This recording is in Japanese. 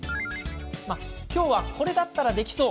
「きょうはこれだったらできそう」